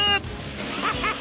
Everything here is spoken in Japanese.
ハハハハ！